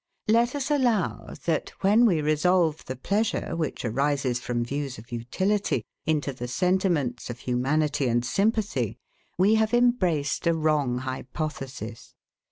Let us allow that, when we resolve the pleasure, which arises from views of utility, into the sentiments of humanity and sympathy, we have embraced a wrong hypothesis.